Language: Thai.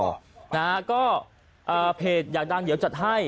ด้านหน้าก็เพจอยากดังเยียยวจัดให้